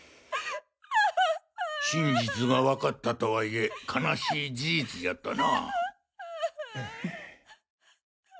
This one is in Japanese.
真実がわかったとはいえ悲しい事実じゃったな。